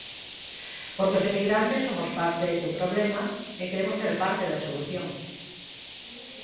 Porque os emigrantes somos parte do problema e queremos ser parte da solución.